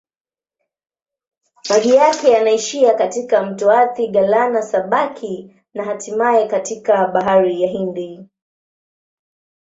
Maji yake yanaishia katika mto Athi-Galana-Sabaki na hatimaye katika Bahari ya Hindi.